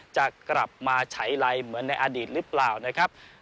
จะกลับมาใช้ไรเหมือนในอดีตหรือเปล่านะครับ